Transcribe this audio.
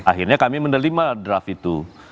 akhirnya kami menerima draft itu